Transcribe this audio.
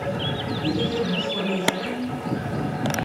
Yella kra n wufuren ay tlam?